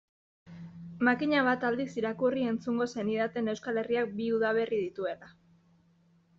Makina bat aldiz irakurri-entzungo zenidaten Euskal Herriak bi udaberri dituela.